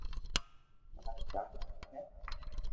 مارا چار ڀائي ھي